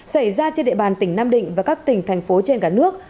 xảy ra trên địa bàn tỉnh nam định và các tỉnh thành phố trên cả nước